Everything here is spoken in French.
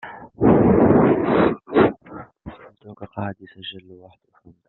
Une jeune fille prénommée Nicole, s'arrête sur une aire de repos.